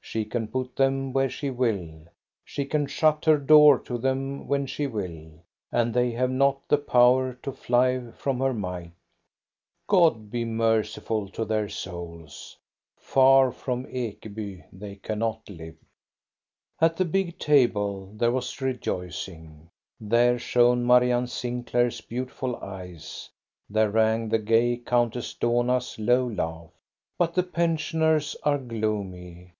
She can put them where she will, she can shut her door to them when she will, and they have not the power to fly from her might. God be merciful to their souls ! Far from Ekeby they cannot live. At the big table there was rejoicing : there shone Marianne Sinclair's beautiful eyes; there rang the gay Countess Dohna's low laugh. But the pensioners are gloomy.